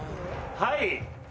「はい！」